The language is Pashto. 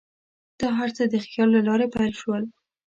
دا هر څه د خیال له لارې پیل شول.